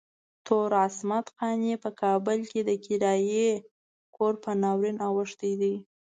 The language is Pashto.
تور عصمت قانع په کابل کې د کرايي کور په ناورين اوښتی دی.